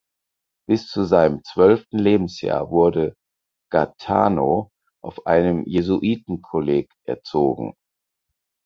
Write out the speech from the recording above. Bis zu seinem zwölften Lebensjahr wurde Gaetano auf einem Jesuitenkolleg erzogen.